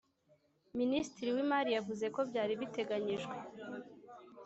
Minisitri w’imari yavuze ko byari biteganyijwe